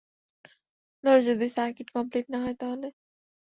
ধরো যদি circuit complete না হয় তা হলে?